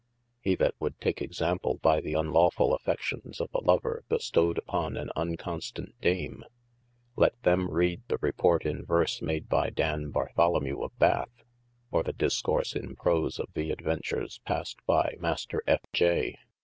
He that would take example by the unlawfull affections of a lover bestowed uppon an unconstant dame, let them reade the report in verse, made by Dan Barthol mew of Bathe, or the discourse in prose of the adventures passed by master F. J.